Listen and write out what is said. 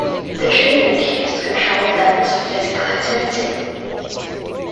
The treatment used controlled levels of physical activity.